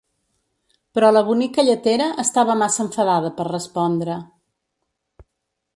Però la bonica lletera estava massa enfadada per respondre.